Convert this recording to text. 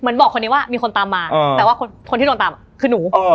เหมือนบอกคนนี้ว่ามีคนตามมาเออแต่ว่าคนที่โดนตามคือหนูเออเออเออ